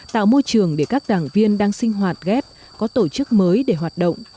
tạo môi trường để các đảng viên đang sinh hoạt ghép có tổ chức mới để hoạt động